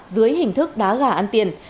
dưới hình thức đá gà ăn tiền